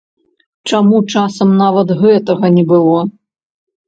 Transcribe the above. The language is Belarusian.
Чаму часам нават гэтага не было?